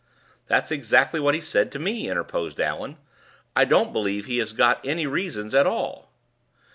"That's exactly what he said to me," interposed Allan. "I don't believe he has got any reasons at all."